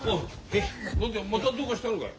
何だよまたどうかしたのかい。